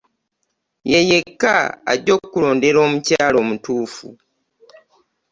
Ye yekka ajja okukulondera omukyala omutuufu.